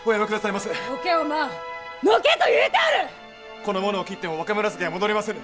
この者を斬っても若紫は戻りませぬ！